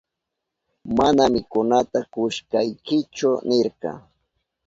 Mana mikunata kushkaykichu nirka.